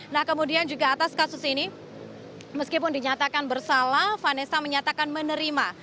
nah kemudian juga atas kasus ini meskipun dinyatakan bersalah vanessa menyatakan menerima